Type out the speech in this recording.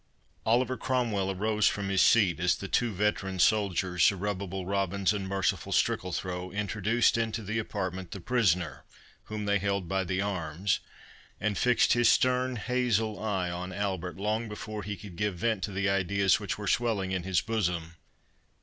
Oliver Cromwell arose from his seat as the two veteran soldiers, Zerubbabel Robins and Merciful Strickalthrow, introduced into the apartment the prisoner, whom they held by the arms, and fixed his stern hazel eye on Albert long before he could give vent to the ideas which were swelling in his bosom.